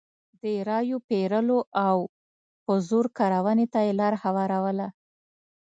د رایو پېرلو او په زور کارونې ته یې لار هواروله.